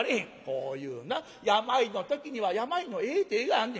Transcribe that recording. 「こういうな病の時には病のええ手があんねん」。